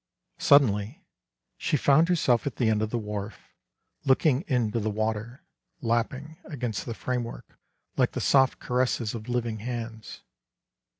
Suddenly she found herseff at the end of the wharf, look ing into the water, lapping against the framework like the soft caresses of living hands.